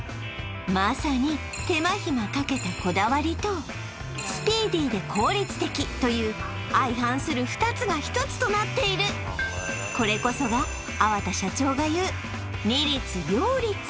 まさに手間暇かけたこだわりとスピーディーで効率的という相反する２つが１つとなっているこれこそが粟田社長がいう二律両立